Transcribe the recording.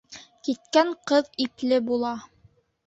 Киткән ҡыҙ ипле була.